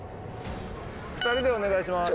２人でお願いします。